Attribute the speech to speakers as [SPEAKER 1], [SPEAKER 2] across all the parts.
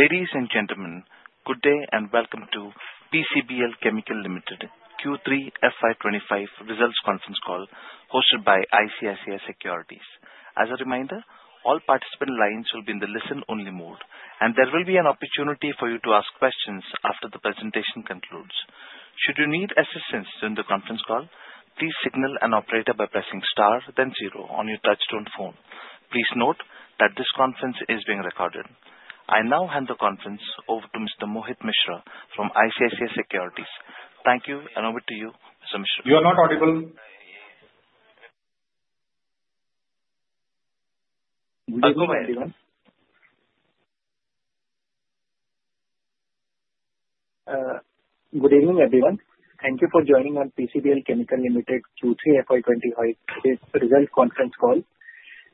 [SPEAKER 1] Ladies and gentlemen, good day and welcome to PCBL Chemical Limited Q3 FY25 Results Conference Call, hosted by ICICI Securities. As a reminder, all participant lines will be in the listen-only mode, and there will be an opportunity for you to ask questions after the presentation concludes. Should you need assistance during the conference call, please signal an operator by pressing star, then zero on your touch-tone phone. Please note that this conference is being recorded. I now hand the conference over to Mr. Mohit Mishra from ICICI Securities. Thank you, and over to you, Mr. Mishra. You are not audible.
[SPEAKER 2] Good evening, everyone. Good evening, everyone. Thank you for joining on PCBL Chemical Limited Q3 FY25 Results Conference Call.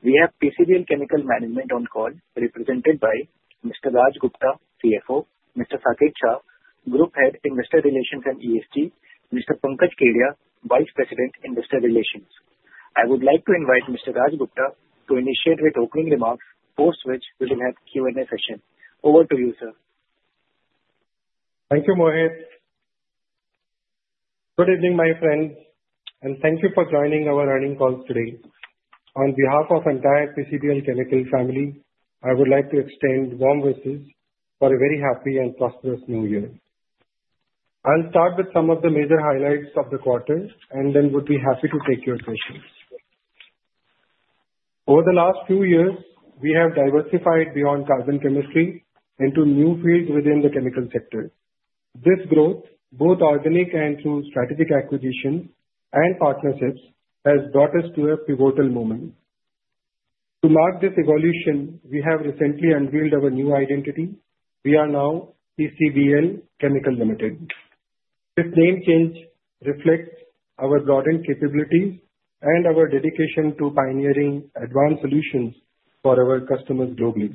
[SPEAKER 2] We have PCBL Chemical Management on call, represented by Mr. Raj Gupta, CFO, Mr. Saket Sah, Group Head, Investor Relations and ESG, Mr. Pankaj Kedia, Vice President, Investor Relations. I would like to invite Mr. Raj Gupta to initiate with opening remarks, post which we will have Q&A session. Over to you, sir.
[SPEAKER 3] Thank you, Mohit. Good evening, my friends, and thank you for joining our learning call today. On behalf of the entire PCBL Chemical family, I would like to extend warm wishes for a very happy and prosperous new year. I'll start with some of the major highlights of the quarter, and then would be happy to take your questions. Over the last few years, we have diversified beyond carbon chemistry into new fields within the chemical sector. This growth, both organic and through strategic acquisitions and partnerships, has brought us to a pivotal moment. To mark this evolution, we have recently unveiled our new identity. We are now PCBL Chemical Limited. This name change reflects our broadened capabilities and our dedication to pioneering advanced solutions for our customers globally.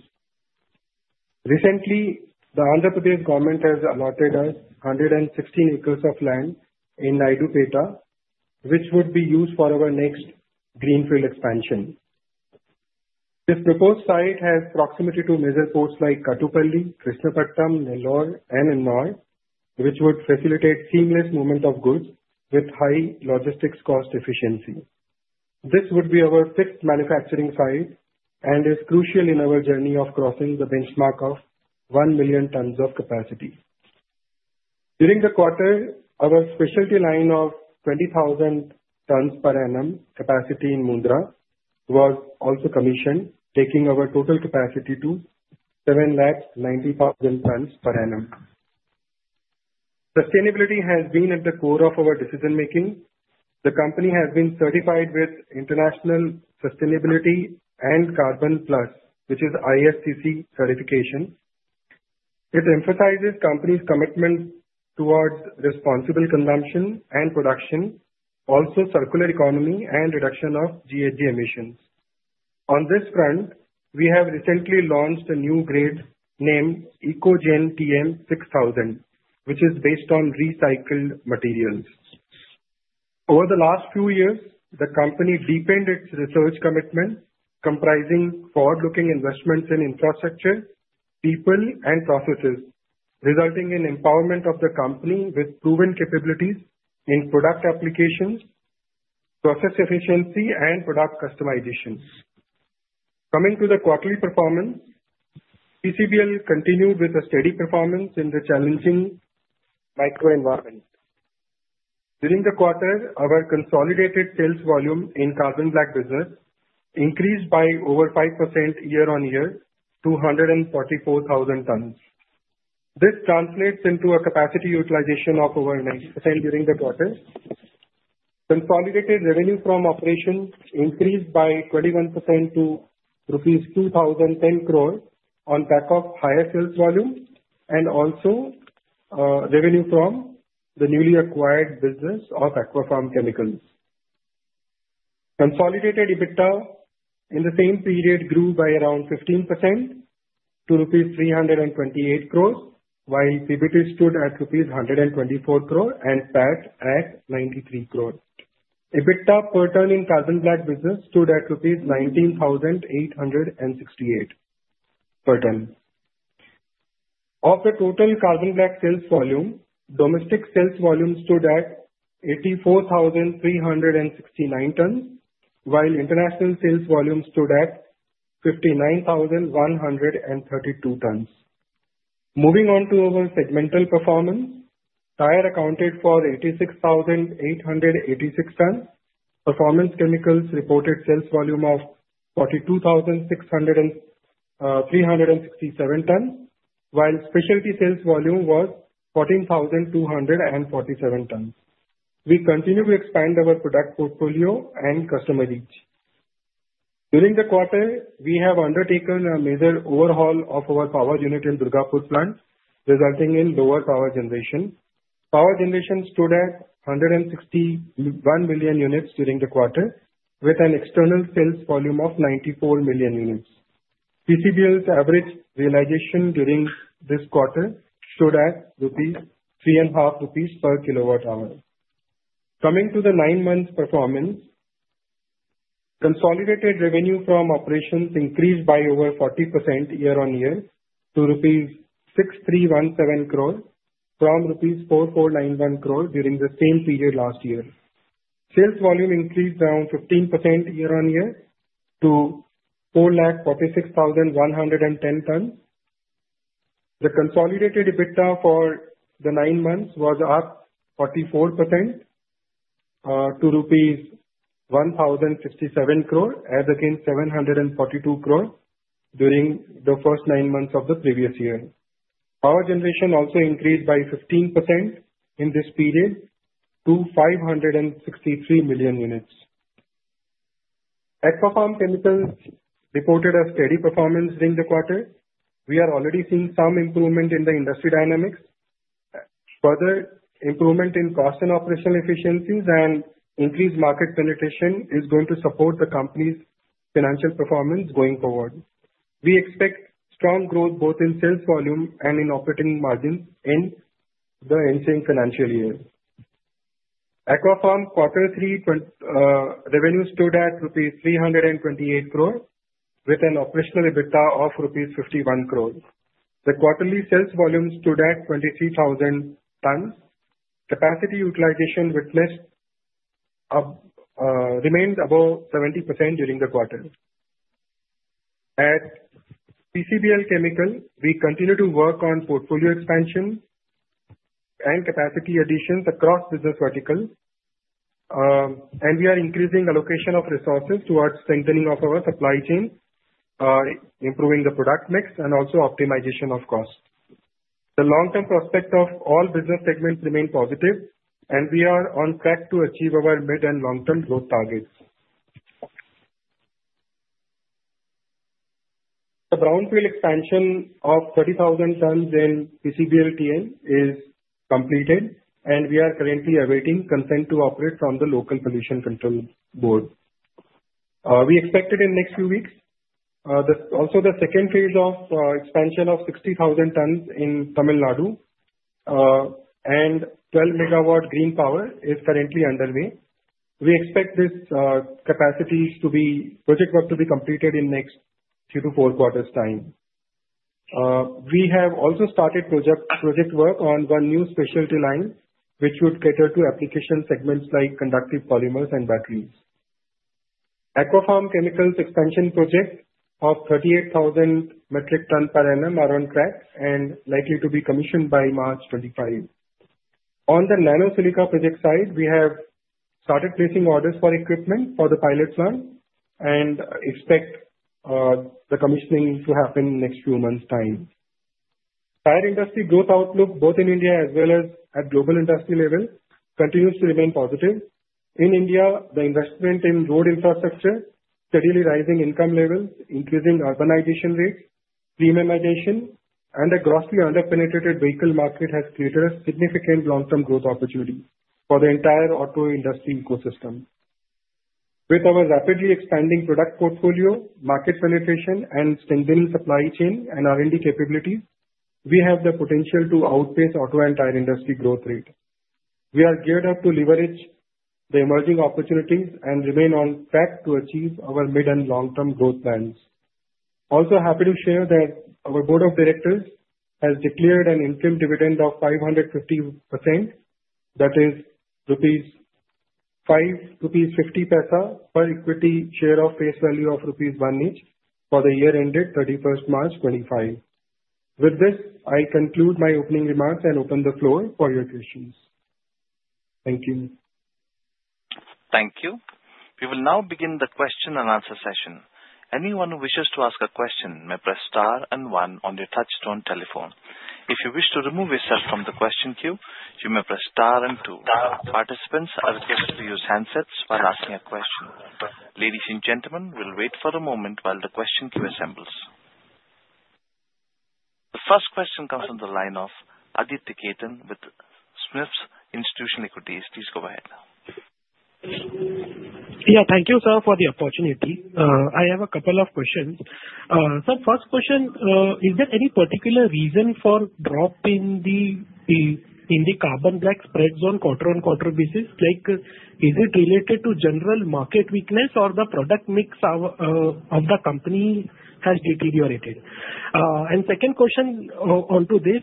[SPEAKER 3] Recently, the Andhra Pradesh government has allotted us 116 acres of land in Naidupeta, which would be used for our next greenfield expansion. This proposed site has proximity to major ports like Kattupalli, Krishnapatnam, Nellore, and Ennore, which would facilitate seamless movement of goods with high logistics cost efficiency. This would be our fifth manufacturing site and is crucial in our journey of crossing the benchmark of 1 million tons of capacity. During the quarter, our specialty line of 20,000 tons per annum capacity in Mundra was also commissioned, taking our total capacity to 790,000 tons per annum. Sustainability has been at the core of our decision-making. The company has been certified with International Sustainability and Carbon Certification PLUS, which is ISCC PLUS certification. It emphasizes the company's commitment towards responsible consumption and production, also circular economy and reduction of GHG emissions. On this front, we have recently launched a new grade named EcoGen 6000, which is based on recycled materials. Over the last few years, the company deepened its research commitment, comprising forward-looking investments in infrastructure, people, and processes, resulting in the empowerment of the company with proven capabilities in product applications, process efficiency, and product customization. Coming to the quarterly performance, PCBL continued with a steady performance in the challenging macro environment. During the quarter, our consolidated sales volume in carbon black business increased by over 5% year-on-year to 144,000 tons. This translates into a capacity utilization of over 90% during the quarter. Consolidated revenue from operations increased by 21% to rupees 2,010 crore on the back of higher sales volume and also revenue from the newly acquired business of Aquapharm Chemicals. Consolidated EBITDA in the same period grew by around 15% to rupees 328 crore, while EBITDA stood at rupees 124 crore and PAT at 93 crore. EBITDA per ton in carbon black business stood at rupees 19,868 per ton. Of the total carbon black sales volume, domestic sales volume stood at 84,369 tons, while international sales volume stood at 59,132 tons. Moving on to our segmental performance, Tire accounted for 86,886 tons. Performance Chemicals reported sales volume of 42,367 tons, while specialty sales volume was 14,247 tons. We continue to expand our product portfolio and customer reach. During the quarter, we have undertaken a major overhaul of our power unit in Durgapur plant, resulting in lower power generation. Power generation stood at 161 million units during the quarter, with an external sales volume of 94 million units. PCBL's average realization during this quarter stood at 3.5 rupees per kilowatt-hour. Coming to the nine-month performance, consolidated revenue from operations increased by over 40% year-on-year to rupees 6,317 crore from rupees 4,491 crore during the same period last year. Sales volume increased around 15% year-on-year to 446,110 tons. The consolidated EBITDA for the nine months was up 44% to rupees 1,067 crore, as against 742 crore during the first nine months of the previous year. Power generation also increased by 15% in this period to 563 million units. Aquapharm Chemicals reported a steady performance during the quarter. We are already seeing some improvement in the industry dynamics. Further improvement in cost and operational efficiencies and increased market penetration is going to support the company's financial performance going forward. We expect strong growth both in sales volume and in operating margins in the ensuing financial year. Aquapharm quarter three revenue stood at rupees 328 crore, with an operational EBITDA of rupees 51 crore. The quarterly sales volume stood at 23,000 tons. Capacity utilization remained above 70% during the quarter. At PCBL Chemical, we continue to work on portfolio expansion and capacity additions across business verticals, and we are increasing allocation of resources towards strengthening of our supply chain, improving the product mix, and also optimization of costs. The long-term prospect of all business segments remains positive, and we are on track to achieve our mid and long-term growth targets. The brownfield expansion of 30,000 tons in PCBL TN is completed, and we are currently awaiting consent to operate from the local pollution control board. We expect it in the next few weeks. Also, the second phase of expansion of 60,000 tons in Tamil Nadu and 12 megawatt green power is currently underway. We expect this capacity project work to be completed in the next three to four quarters' time. We have also started project work on one new specialty line, which would cater to application segments like conductive polymers and batteries. Aquafarm Chemicals' expansion project of 38,000 metric tons per annum are on track and likely to be commissioned by March 25. On the nanosilica project side, we have started placing orders for equipment for the pilot run and expect the commissioning to happen in the next few months' time. Tire industry growth outlook, both in India as well as at global industry level, continues to remain positive. In India, the investment in road infrastructure, steadily rising income levels, increasing urbanization rates, premiumization, and a grossly under-penetrated vehicle market have created significant long-term growth opportunities for the entire auto industry ecosystem. With our rapidly expanding product portfolio, market penetration, and strengthening supply chain and R&D capabilities, we have the potential to outpace auto and tire industry growth rate. We are geared up to leverage the emerging opportunities and remain on track to achieve our mid and long-term growth plans. Also, happy to share that our board of directors has declared an income dividend of 550%, that is 5.50 rupees per equity share of face value of rupees 1 each for the year ended 31st March 2025. With this, I conclude my opening remarks and open the floor for your questions. Thank you.
[SPEAKER 1] Thank you. We will now begin the question and answer session. Anyone who wishes to ask a question may press star and one on your touch-tone telephone. If you wish to remove yourself from the question queue, you may press star and two. Participants are requested to use handsets while asking a question. Ladies and gentlemen, we'll wait for a moment while the question queue assembles. The first question comes from the line of Aditya Khetan with SMIFS Institutional Equities. Please go ahead.
[SPEAKER 4] Yeah, thank you, sir, for the opportunity. I have a couple of questions. So first question, is there any particular reason for drop in the carbon black spreads on quarter-on-quarter basis? Is it related to general market weakness or the product mix of the company has deteriorated? And second question onto this,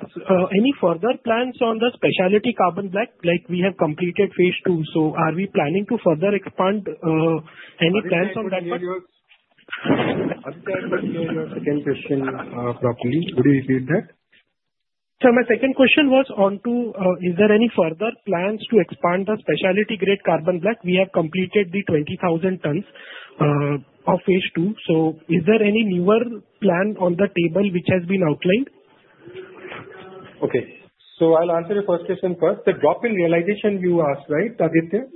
[SPEAKER 4] any further plans on the specialty carbon black? We have completed phase two, so are we planning to further expand? Any plans on that?
[SPEAKER 3] I didn't hear your second question properly. Could you repeat that?
[SPEAKER 4] So my second question was on to is there any further plans to expand the specialty grade carbon black? We have completed the 20,000 tons of phase two, so is there any newer plan on the table which has been outlined?
[SPEAKER 3] Okay. So I'll answer your first question first. The drop in realization you asked, right, Aditya?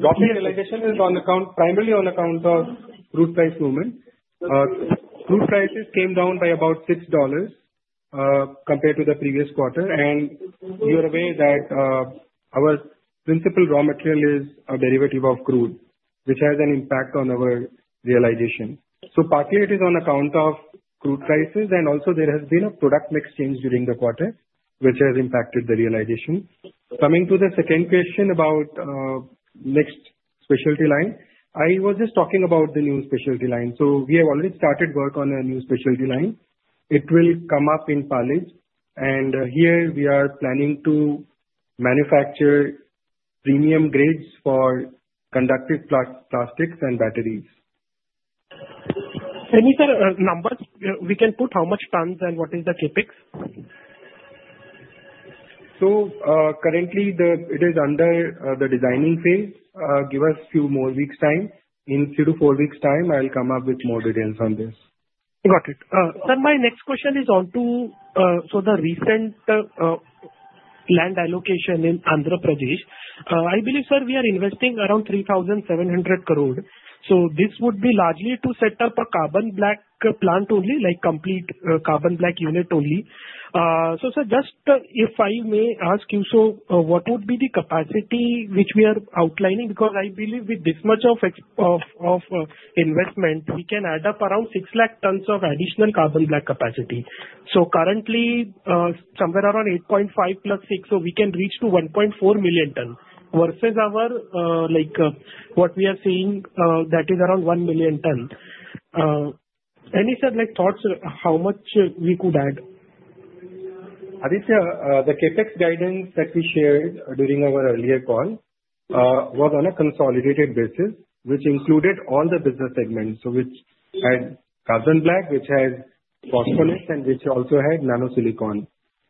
[SPEAKER 3] Drop in realization is primarily on account of crude price movement. Crude prices came down by about $6 compared to the previous quarter, and you are aware that our principal raw material is a derivative of crude, which has an impact on our realization. So partly it is on account of crude prices, and also there has been a product mix change during the quarter, which has impacted the realization. Coming to the second question about the next specialty line, I was just talking about the new specialty line. So we have already started work on a new specialty line. It will come up in Palej, and here we are planning to manufacture premium grades for conductive plastics and batteries.
[SPEAKER 4] Can you say the numbers? We can put how much tons and what is the CAPEX?
[SPEAKER 3] Currently, it is under the designing phase. Give us a few more weeks' time. In three to four weeks' time, I'll come up with more details on this.
[SPEAKER 4] Got it. Sir, my next question is onto the recent land allocation in Andhra Pradesh. I believe, sir, we are investing around 3,700 crore. So this would be largely to set up a carbon black plant only, like complete carbon black unit only. So sir, just if I may ask you, so what would be the capacity which we are outlining? Because I believe with this much of investment, we can add up around 6 lakh tons of additional carbon black capacity. So currently, somewhere around 8.5 plus 6, so we can reach to 1.4 million tons versus what we are seeing, that is around 1 million tons. Any thoughts on how much we could add?
[SPEAKER 3] Aditya, the CapEx guidance that we shared during our earlier call was on a consolidated basis, which included all the business segments. So we had carbon black, which has performance, and which also had nanosilica.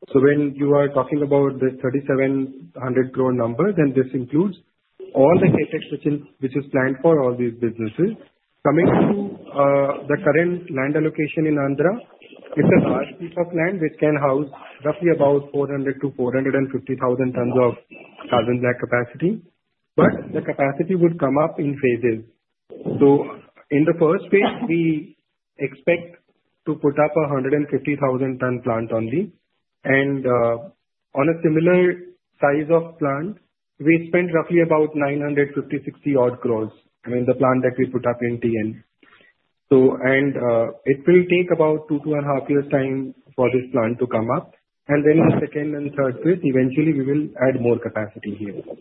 [SPEAKER 3] So when you are talking about the 3,700 crore number, then this includes all the CapEx which is planned for all these businesses. Coming to the current land allocation in Andhra, it's a large piece of land which can house roughly about 400,000-450,000 tons of carbon black capacity. But the capacity would come up in phases. So in the first phase, we expect to put up a 150,000-ton plant only. And on a similar size of plant, we spent roughly about 950-60 odd crores, I mean, the plant that we put up in TN. It will take about two to two and a half years' time for this plant to come up. Then in the second and third phase, eventually, we will add more capacity here.
[SPEAKER 4] Okay.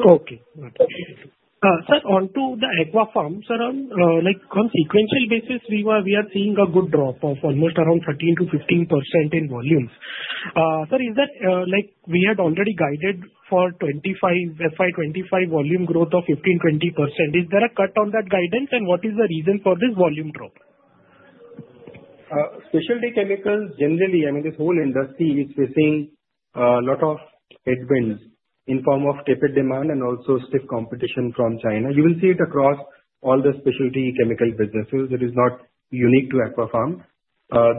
[SPEAKER 4] Sir, onto the Aquafarm, sir, on a sequential basis, we are seeing a good drop of almost around 13%-15% in volume. Sir, we had already guided for FY25 volume growth of 15%-20%. Is there a cut on that guidance, and what is the reason for this volume drop?
[SPEAKER 3] Specialty chemicals, generally, I mean, this whole industry is facing a lot of headwinds in the form of CAPEX demand and also stiff competition from China. You will see it across all the specialty chemical businesses. It is not unique to Aquafarm.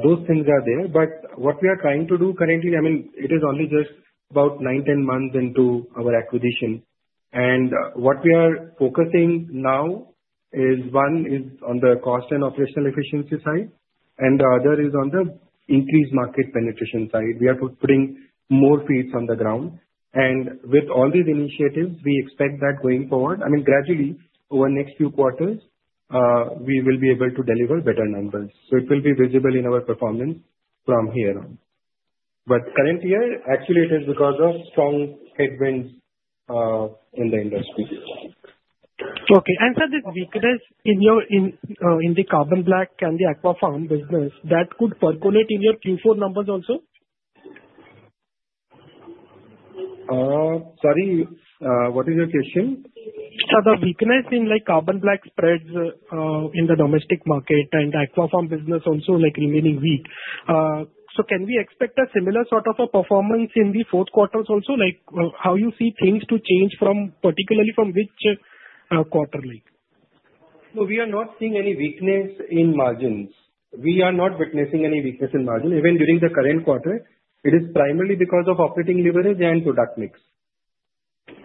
[SPEAKER 3] Those things are there. But what we are trying to do currently, I mean, it is only just about nine, 10 months into our acquisition. And what we are focusing now is one is on the cost and operational efficiency side, and the other is on the increased market penetration side. We are putting more feet on the ground. And with all these initiatives, we expect that going forward, I mean, gradually, over the next few quarters, we will be able to deliver better numbers. So it will be visible in our performance from here on. But current year, actually, it is because of strong headwinds in the industry.
[SPEAKER 4] Okay. And sir, this weakness in the carbon black and the Aquafarm business, that could percolate in your Q4 numbers also?
[SPEAKER 3] Sorry, what is your question?
[SPEAKER 4] Sir, the weakness in carbon black spreads in the domestic market and Aquafarm business also remaining weak. So can we expect a similar sort of performance in the fourth quarter also? How do you see things to change particularly from which quarter?
[SPEAKER 3] So we are not seeing any weakness in margins. We are not witnessing any weakness in margins. Even during the current quarter, it is primarily because of operating leverage and product mix.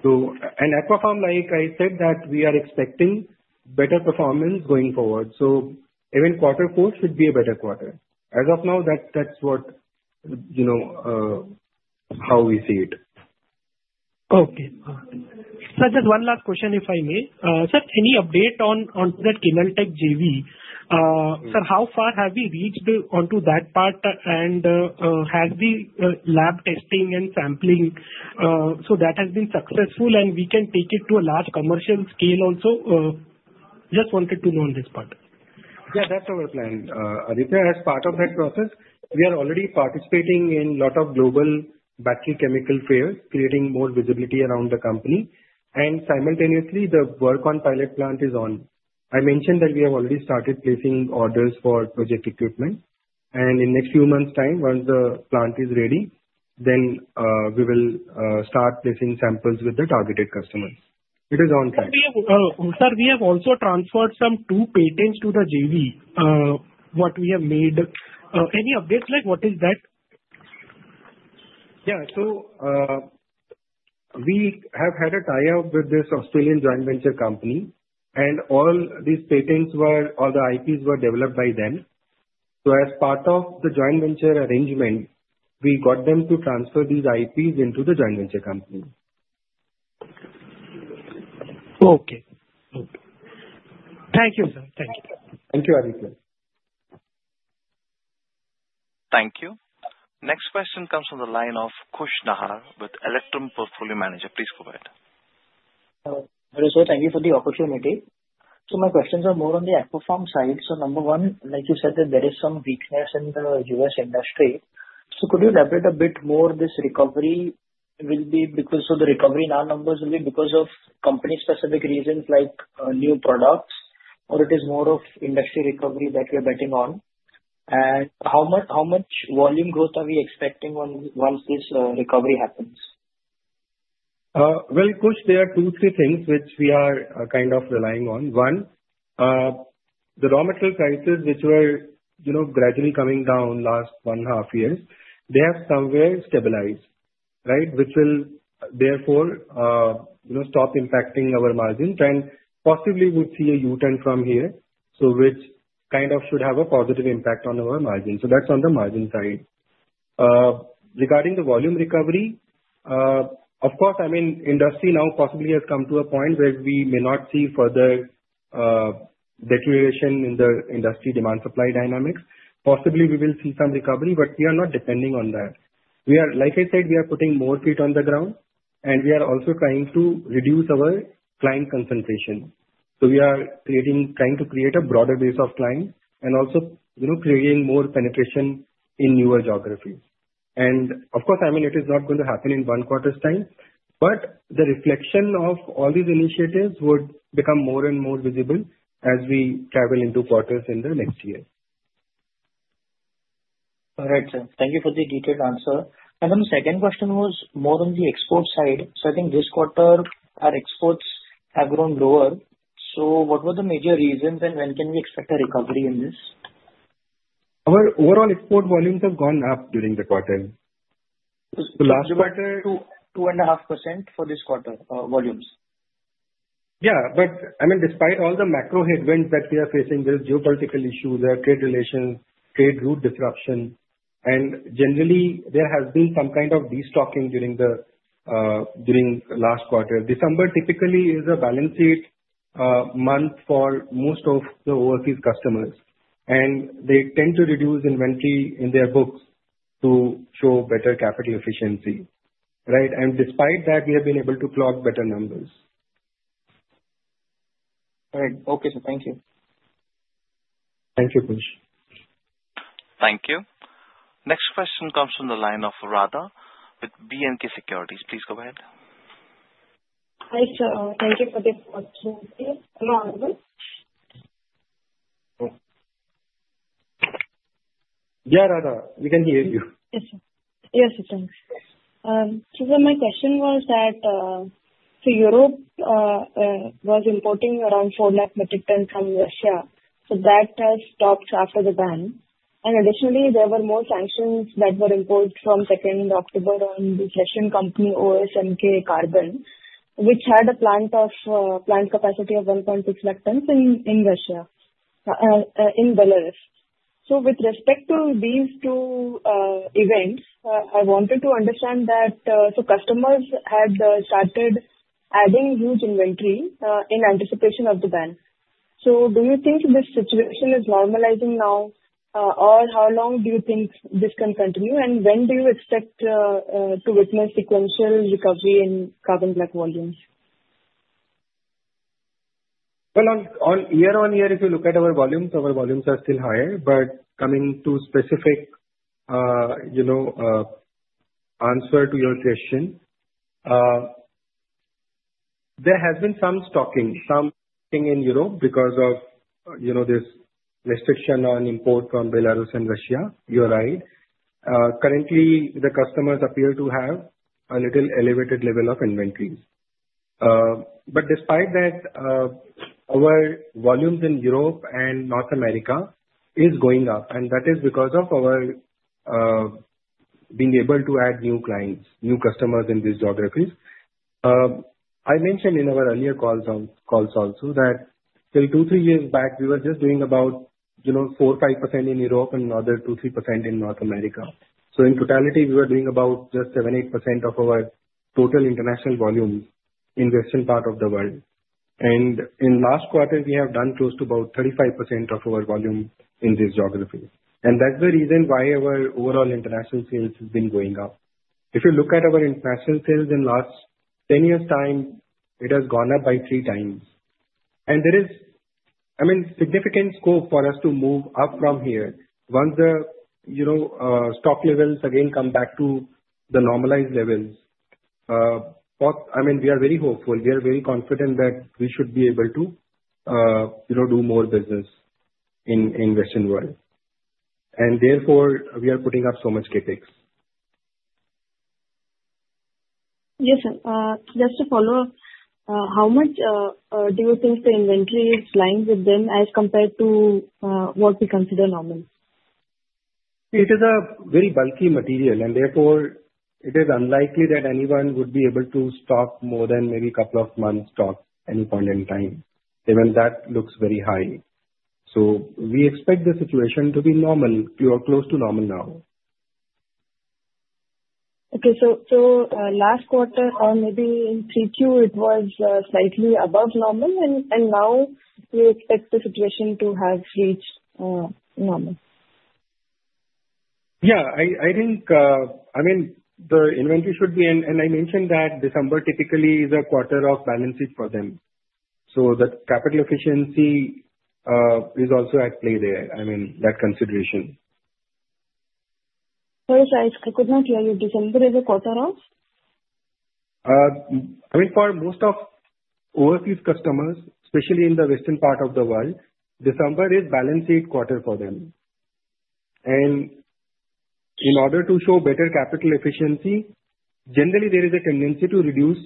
[SPEAKER 3] And Aquafarm, like I said, that we are expecting better performance going forward. So even quarter four should be a better quarter. As of now, that's how we see it.
[SPEAKER 4] Okay. Sir, just one last question, if I may. Sir, any update on that Kinaltek JV? Sir, how far have we reached onto that part? And has the lab testing and sampling, so that has been successful, and we can take it to a large commercial scale also? Just wanted to know on this part.
[SPEAKER 3] Yeah, that's our plan. Aditya, as part of that process, we are already participating in a lot of global battery chemical fairs, creating more visibility around the company. And simultaneously, the work on pilot plant is on. I mentioned that we have already started placing orders for project equipment. And in the next few months' time, once the plant is ready, then we will start placing samples with the targeted customers. It is on track.
[SPEAKER 4] Sir, we have also transferred some two patents to the JV, what we have made. Any updates? What is that?
[SPEAKER 3] Yeah. So we have had a tie-up with this Australian joint venture company. And all these patents, all the IPs, were developed by them. So as part of the joint venture arrangement, we got them to transfer these IPs into the joint venture company.
[SPEAKER 4] Okay. Thank you, sir. Thank you.
[SPEAKER 3] Thank you, Aditya.
[SPEAKER 1] Thank you. Next question comes from the line of Khush Nahar with Electrum Portfolio Managers. Please go ahead.
[SPEAKER 5] Sir, thank you for the opportunity. So my questions are more on the Aquafarm side. So number one, like you said, that there is some weakness in the U.S. industry. So could you elaborate a bit more? This recovery will be because of the recovery now, numbers will be because of company-specific reasons like new products, or it is more of industry recovery that we are betting on? And how much volume growth are we expecting once this recovery happens?
[SPEAKER 3] Well, Khush, there are two, three things which we are kind of relying on. One, the raw material prices, which were gradually coming down last one and a half years, they have somewhere stabilized, right, which will therefore stop impacting our margins. And possibly, we'll see a U-turn from here, which kind of should have a positive impact on our margins. So that's on the margin side. Regarding the volume recovery, of course, I mean, industry now possibly has come to a point where we may not see further deterioration in the industry demand-supply dynamics. Possibly, we will see some recovery, but we are not depending on that. Like I said, we are putting more feet on the ground, and we are also trying to reduce our client concentration. So we are trying to create a broader base of clients and also creating more penetration in newer geographies. Of course, I mean, it is not going to happen in one quarter's time, but the reflection of all these initiatives would become more and more visible as we travel into quarters in the next year.
[SPEAKER 5] All right, sir. Thank you for the detailed answer. And then the second question was more on the export side. So I think this quarter, our exports have grown lower. So what were the major reasons, and when can we expect a recovery in this?
[SPEAKER 3] Our overall export volumes have gone up during the quarter. The last quarter.
[SPEAKER 5] So 2.5% for this quarter volumes?
[SPEAKER 3] Yeah, but I mean, despite all the macro headwinds that we are facing, there are geopolitical issues, there are trade relations, trade route disruption, and generally, there has been some kind of destocking during the last quarter. December typically is a balance sheet month for most of the overseas customers, and they tend to reduce inventory in their books to show better capital efficiency, right? Despite that, we have been able to clock better numbers.
[SPEAKER 5] All right. Okay. So thank you.
[SPEAKER 3] Thank you, Khush.
[SPEAKER 1] Thank you. Next question comes from the line of Radha with B&K Securities. Please go ahead.
[SPEAKER 6] Hi, sir. Thank you for the opportunity. Hello, all of us.
[SPEAKER 3] Yeah, Radha. We can hear you.
[SPEAKER 6] Yes, sir. Yes, sir. Thanks. So my question was that Europe was importing around 4 lakh metric tons from Russia. So that has stopped after the ban. And additionally, there were more sanctions that were imposed from 2nd October on the Russian company Omsk Carbon, which had a plant capacity of 1.6 lakh tons in Belarus. So with respect to these two events, I wanted to understand that customers had started adding huge inventory in anticipation of the ban. So do you think this situation is normalizing now, or how long do you think this can continue? And when do you expect to witness sequential recovery in carbon black volumes?
[SPEAKER 3] Year on year, if you look at our volumes, our volumes are still higher. But coming to a specific answer to your question, there has been some stocking, some stocking in Europe because of this restriction on import from Belarus and Russia. You're right. Currently, the customers appear to have a little elevated level of inventory. But despite that, our volumes in Europe and North America are going up. And that is because of our being able to add new clients, new customers in these geographies. I mentioned in our earlier calls also that till two, three years back, we were just doing about 4%-5% in Europe and another 2%-3% in North America. So in totality, we were doing about just 7%-8% of our total international volume in the eastern part of the world. In the last quarter, we have done close to about 35% of our volume in these geographies. That's the reason why our overall international sales have been going up. If you look at our international sales in the last 10 years' time, it has gone up by three times. There is, I mean, significant scope for us to move up from here once the stock levels again come back to the normalized levels. I mean, we are very hopeful. We are very confident that we should be able to do more business in the western world. Therefore, we are putting up so much CAPEX.
[SPEAKER 6] Yes, sir. Just to follow up, how much do you think the inventory is lying with them as compared to what we consider normal?
[SPEAKER 3] It is a very bulky material. And therefore, it is unlikely that anyone would be able to stock more than maybe a couple of months' stock at any point in time, even if that looks very high. So we expect the situation to be normal, close to normal now.
[SPEAKER 6] Okay. So last quarter, maybe in Q2, it was slightly above normal. And now, do you expect the situation to have reached normal?
[SPEAKER 3] Yeah. I think, I mean, the inventory should be in, and I mentioned that December typically is a quarter of balance sheet for them. So the capital efficiency is also at play there, I mean, that consideration.
[SPEAKER 6] Sorry, sir. I could not hear you. December is a quarter of?
[SPEAKER 3] I mean, for most of overseas customers, especially in the western part of the world, December is balance sheet quarter for them, and in order to show better capital efficiency, generally, there is a tendency to reduce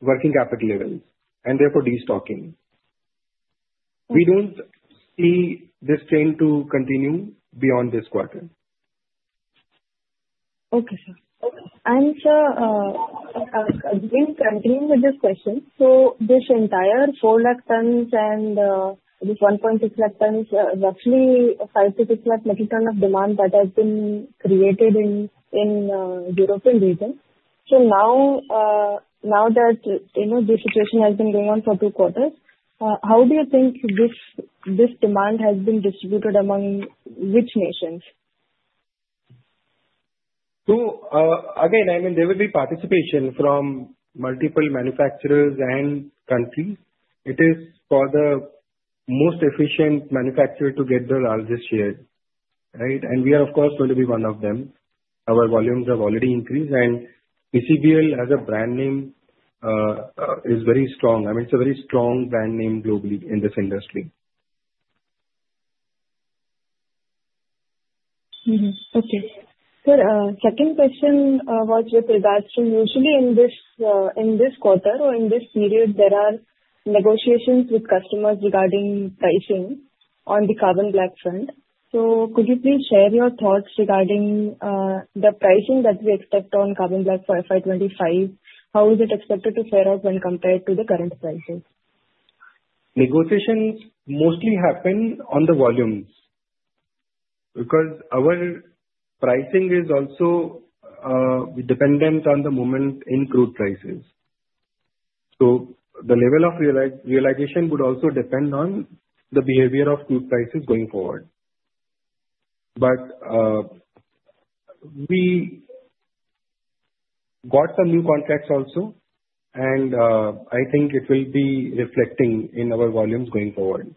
[SPEAKER 3] working capital levels and therefore destocking. We don't see this trend to continue beyond this quarter.
[SPEAKER 6] Okay, sir. And sir, I'm going to continue with this question. So this entire 4 lakh tons and this 1.6 lakh tons, roughly 5 to 6 lakh metric tons of demand that has been created in the European region. So now that this situation has been going on for two quarters, how do you think this demand has been distributed among which nations?
[SPEAKER 3] So again, I mean, there will be participation from multiple manufacturers and countries. It is for the most efficient manufacturer to get the largest share, right? And we are, of course, going to be one of them. Our volumes have already increased. And PCBL, as a brand name, is very strong. I mean, it's a very strong brand name globally in this industry.
[SPEAKER 6] Okay. Sir, second question was with regards to usually in this quarter or in this period, there are negotiations with customers regarding pricing on the carbon black front. So could you please share your thoughts regarding the pricing that we expect on carbon black for FY25? How is it expected to fare out when compared to the current prices?
[SPEAKER 3] Negotiations mostly happen on the volumes because our pricing is also dependent on the movement in crude prices. So the level of realization would also depend on the behavior of crude prices going forward. But we got some new contracts also. And I think it will be reflecting in our volumes going forward.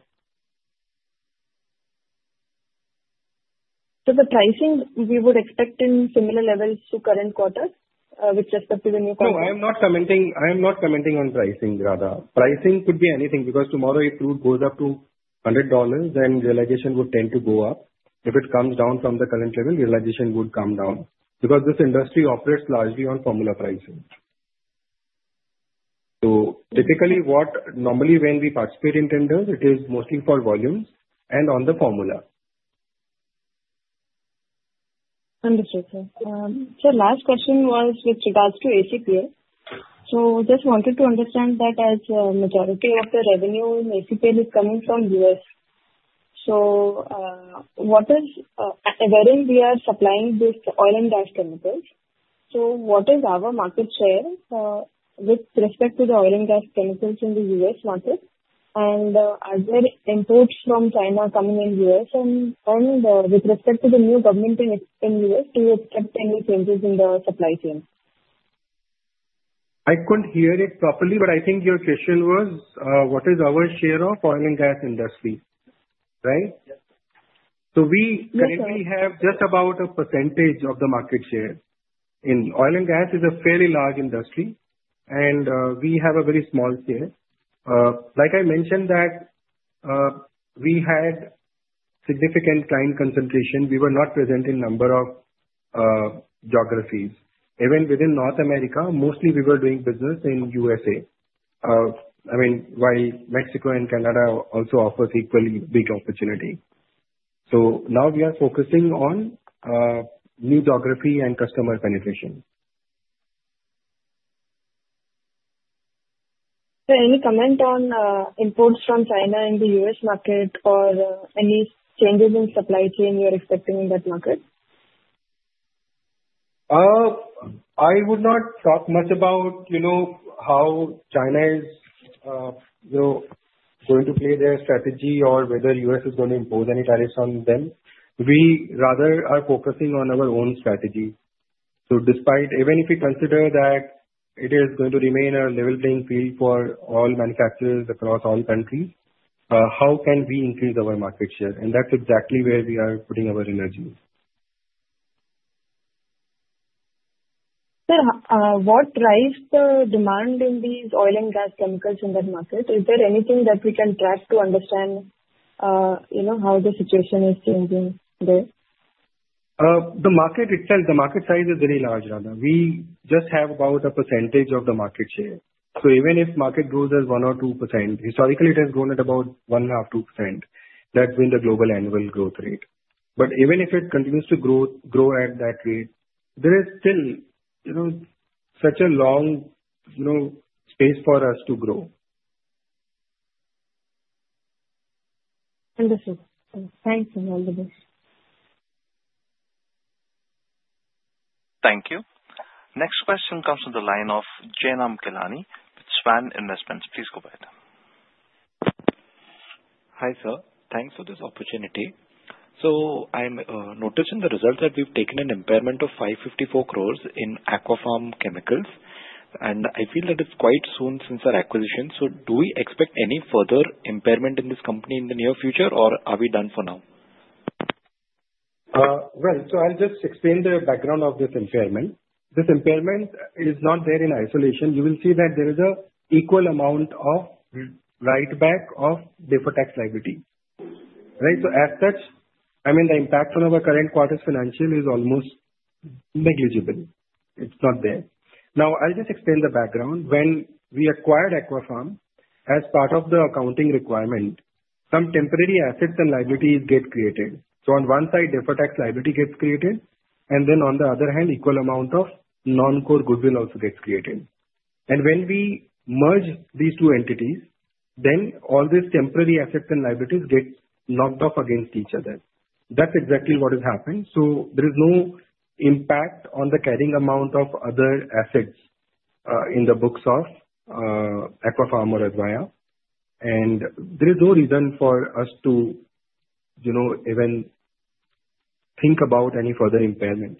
[SPEAKER 6] The pricing, we would expect in similar levels to current quarter, with respect to the new contracts?
[SPEAKER 3] No, I am not commenting on pricing, Radha. Pricing could be anything because tomorrow, if crude goes up to $100, then realization would tend to go up. If it comes down from the current level, realization would come down because this industry operates largely on formula pricing. So typically, normally, when we participate in tenders, it is mostly for volumes and on the formula.
[SPEAKER 6] Understood, sir. Sir, last question was with regards to ACPL. So just wanted to understand that as majority of the revenue in ACPL is coming from US, so wherein we are supplying these oil and gas chemicals, so what is our market share with respect to the oil and gas chemicals in the US market? And are there imports from China coming in the US? And with respect to the new government in the US, do you expect any changes in the supply chain?
[SPEAKER 3] I couldn't hear it properly, but I think your question was what is our share of oil and gas industry, right? So we currently have just about a percentage of the market share. And oil and gas is a fairly large industry, and we have a very small share. Like I mentioned, that we had significant client concentration. We were not present in a number of geographies. Even within North America, mostly we were doing business in the USA. I mean, while Mexico and Canada also offer equally big opportunity. So now we are focusing on new geography and customer penetration.
[SPEAKER 6] Sir, any comment on imports from China in the US market or any changes in supply chain you're expecting in that market?
[SPEAKER 3] I would not talk much about how China is going to play their strategy or whether the U.S. is going to impose any tariffs on them. We rather are focusing on our own strategy. So even if we consider that it is going to remain a level playing field for all manufacturers across all countries, how can we increase our market share? And that's exactly where we are putting our energy.
[SPEAKER 6] Sir, what drives the demand in these oil and gas chemicals in that market? Is there anything that we can track to understand how the situation is changing there?
[SPEAKER 3] The market itself, the market size is very large, Radha. We just have about a percentage of the market share. So even if the market grows as 1 or 2%, historically, it has grown at about 1.5-2%. That's been the global annual growth rate. But even if it continues to grow at that rate, there is still such a long space for us to grow.
[SPEAKER 6] Understood. Thanks for all of this.
[SPEAKER 1] Thank you. Next question comes from the line of Jaynam Kelani with Swan Investments. Please go ahead.
[SPEAKER 7] Hi, sir. Thanks for this opportunity. So I'm noticing the results that we've taken an impairment of 554 crores in Aquafarm Chemicals. And I feel that it's quite soon since our acquisition. So do we expect any further impairment in this company in the near future, or are we done for now?
[SPEAKER 3] Right. So I'll just explain the background of this impairment. This impairment is not there in isolation. You will see that there is an equal amount of write-back of deferred-tax liability, right? So as such, I mean, the impact on our current quarter's financials is almost negligible. It's not there. Now, I'll just explain the background. When we acquired Aquafarm as part of the accounting requirement, some temporary assets and liabilities get created. So on one side, deferred-tax liability gets created. And then on the other hand, an equal amount of non-core goodwill also gets created. And when we merge these two entities, then all these temporary assets and liabilities get knocked off against each other. That's exactly what has happened. So there is no impact on the carrying amount of other assets in the books of Aquafarm or Advaya. And there is no reason for us to even think about any further impairment.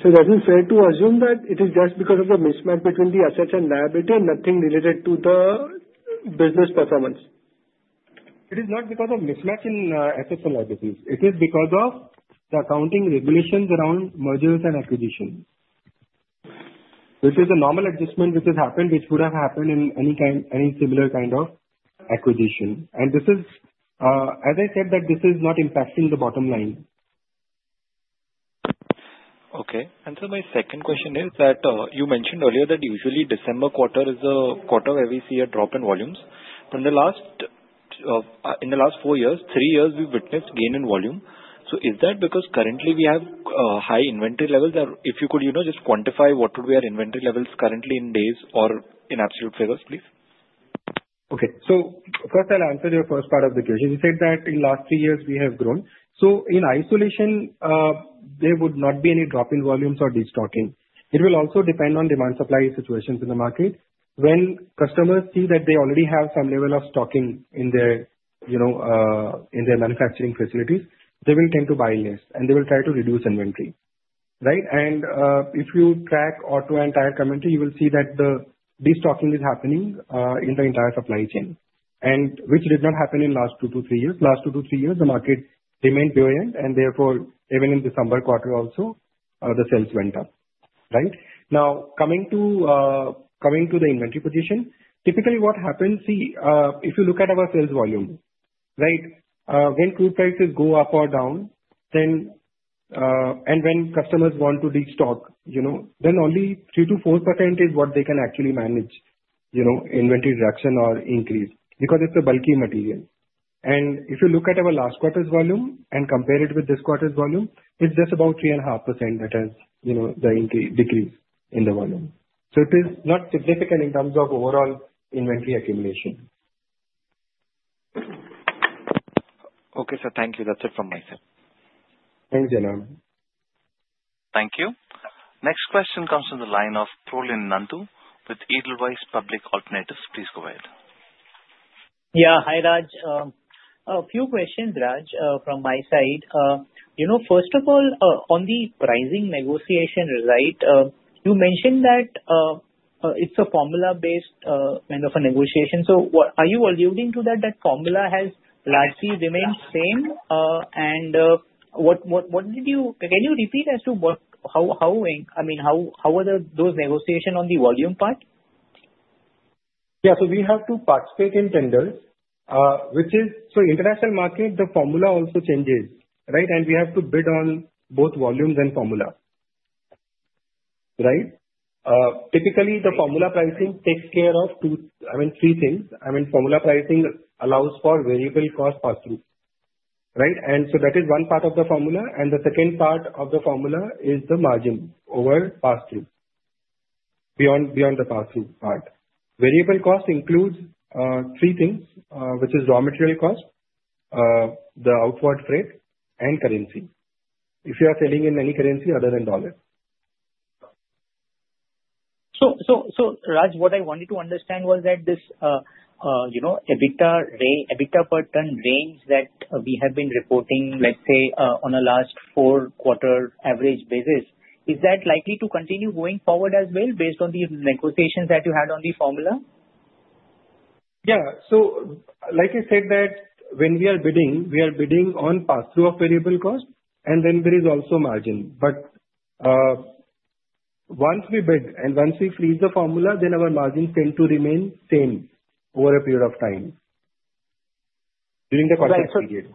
[SPEAKER 3] So does it fair to assume that it is just because of the mismatch between the assets and liability and nothing related to the business performance? It is not because of mismatch in assets and liabilities. It is because of the accounting regulations around mergers and acquisitions, which is a normal adjustment which has happened, which would have happened in any similar kind of acquisition. And as I said, that this is not impacting the bottom line.
[SPEAKER 7] Okay. And so my second question is that you mentioned earlier that usually December quarter is the quarter where we see a drop in volumes. But in the last four years, three years, we've witnessed gain in volume. So is that because currently we have high inventory levels? If you could just quantify what would be our inventory levels currently in days or in absolute figures, please?
[SPEAKER 3] Okay. So first, I'll answer your first part of the question. You said that in the last three years, we have grown. So in isolation, there would not be any drop in volumes or destocking. It will also depend on demand-supply situations in the market. When customers see that they already have some level of stocking in their manufacturing facilities, they will tend to buy less, and they will try to reduce inventory, right? And if you track auto and tire commentary, you will see that the destocking is happening in the entire supply chain, which did not happen in the last two to three years. Last two to three years, the market remained buoyant. And therefore, even in December quarter also, the sales went up, right? Now, coming to the inventory position, typically what happens, see, if you look at our sales volume, right, when crude prices go up or down, and when customers want to destock, then only 3%-4% is what they can actually manage inventory reduction or increase because it's a bulky material. And if you look at our last quarter's volume and compare it with this quarter's volume, it's just about 3.5% that has the decrease in the volume. So it is not significant in terms of overall inventory accumulation.
[SPEAKER 7] Okay, sir. Thank you. That's it from my side.
[SPEAKER 3] Thanks, Jaynam.
[SPEAKER 1] Thank you. Next question comes from the line of Prolin Nandu with Edelweiss Alternative Asset Advisors. Please go ahead.
[SPEAKER 8] Yeah. Hi, Raj. A few questions, Raj, from my side. First of all, on the pricing negotiation, right, you mentioned that it's a formula-based kind of a negotiation. So are you alluding to that the formula has largely remained same? And can you repeat as to how, I mean, how were those negotiations on the volume part?
[SPEAKER 3] Yeah. So we have to participate in tenders, which is so international market, the formula also changes, right? And we have to bid on both volumes and formula, right? Typically, the formula pricing takes care of, I mean, three things. I mean, formula pricing allows for variable cost pass-through, right? And so that is one part of the formula. And the second part of the formula is the margin over pass-through, beyond the pass-through part. Variable cost includes three things, which is raw material cost, the outward freight, and currency, if you are selling in any currency other than dollar.
[SPEAKER 8] Raj, what I wanted to understand was that this EBITDA per ton range that we have been reporting, let's say, on a last four-quarter average basis, is that likely to continue going forward as well based on the negotiations that you had on the formula?
[SPEAKER 3] Yeah. So like I said, that when we are bidding, we are bidding on pass-through of variable cost, and then there is also margin. But once we bid and once we freeze the formula, then our margins tend to remain same over a period of time during the quarter period.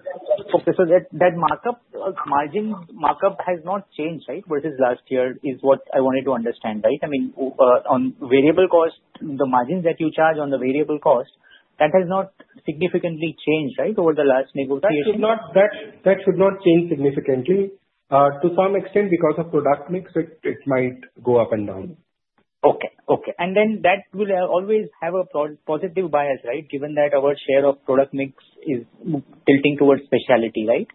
[SPEAKER 8] Okay. So that markup has not changed, right, versus last year is what I wanted to understand, right? I mean, on variable cost, the margins that you charge on the variable cost, that has not significantly changed, right, over the last negotiation?
[SPEAKER 3] That should not change significantly. To some extent, because of product mix, it might go up and down.
[SPEAKER 8] And then that will always have a positive bias, right, given that our share of product mix is tilting towards specialty, right?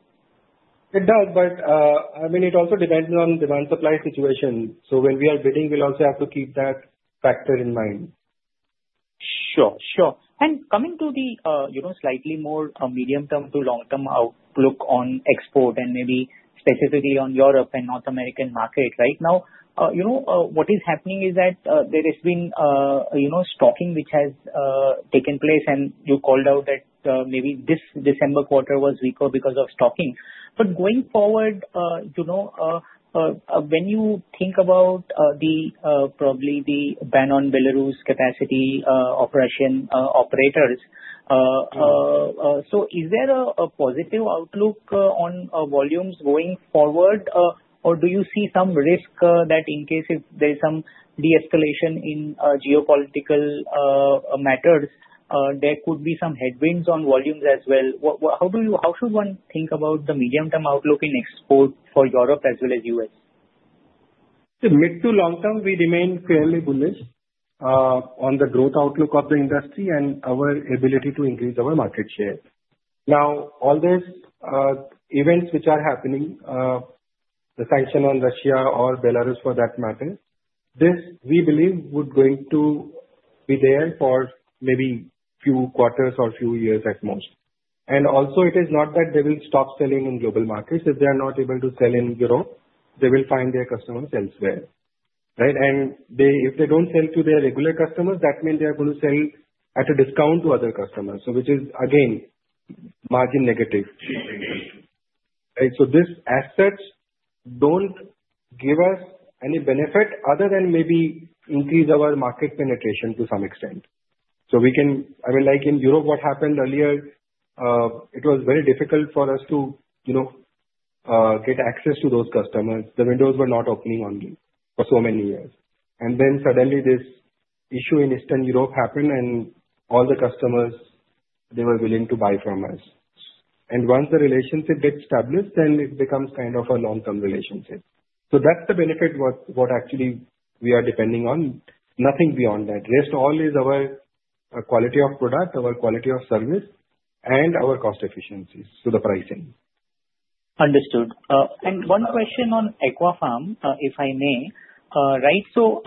[SPEAKER 3] It does. But I mean, it also depends on demand-supply situation. So when we are bidding, we'll also have to keep that factor in mind.
[SPEAKER 8] Sure. Sure. And coming to the slightly more medium-term to long-term outlook on export and maybe specifically on Europe and North American market, right? Now, what is happening is that there has been stocking which has taken place, and you called out that maybe this December quarter was weaker because of stocking. But going forward, when you think about probably the ban on Belarus capacity of Russian operators, so is there a positive outlook on volumes going forward, or do you see some risk that in case if there is some de-escalation in geopolitical matters, there could be some headwinds on volumes as well? How should one think about the medium-term outlook in export for Europe as well as the US?
[SPEAKER 3] So mid to long term, we remain fairly bullish on the growth outlook of the industry and our ability to increase our market share. Now, all these events which are happening, the sanction on Russia or Belarus for that matter, we believe would going to be there for maybe a few quarters or a few years at most. And also, it is not that they will stop selling in global markets. If they are not able to sell in Europe, they will find their customers elsewhere, right? And if they don't sell to their regular customers, that means they are going to sell at a discount to other customers, which is, again, margin negative, right? So these assets don't give us any benefit other than maybe increase our market penetration to some extent. So we can, I mean, like in Europe, what happened earlier, it was very difficult for us to get access to those customers. The windows were not opening on me for so many years. And then suddenly, this issue in Eastern Europe happened, and all the customers, they were willing to buy from us. And once the relationship gets established, then it becomes kind of a long-term relationship. So that's the benefit what actually we are depending on. Nothing beyond that. Rest all is our quality of product, our quality of service, and our cost efficiencies to the pricing.
[SPEAKER 8] Understood. And one question on Aquafarm, if I may, right? So